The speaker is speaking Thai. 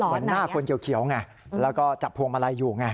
วันหน้าคนเขียวไงแล้วก็จับพวงมาลัยอยู่ไง